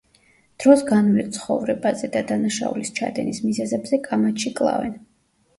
დროს განვლილ ცხოვრებაზე და დანაშაულის ჩადენის მიზეზებზე კამათში კლავენ.